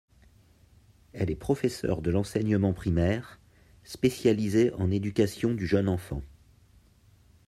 Elle est professeur de l'enseignement primaire, spécialisée en éducation du jeune enfant.